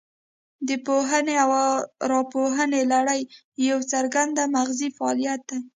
د پوهونې او راپوهونې لړۍ یو څرګند مغزي فعالیت دی